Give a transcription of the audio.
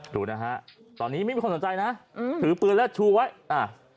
ดูนะฮะตอนนี้ไม่มีคนสนใจนะอืมถือปืนแล้วชูไว้อ่า